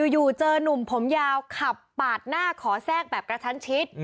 อยู่เจอนุ่มผมยาวขับปาดหน้าขอแทรกแบบกระชั้นชิด